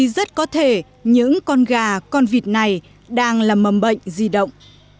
rất có thể những con gà con vịt này đang là mầm bệnh di động